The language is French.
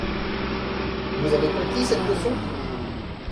Vous avez compris cette leçon ?